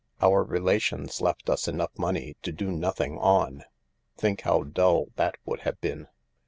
Our relations left us enough money to do nothing on— think how dull that would have been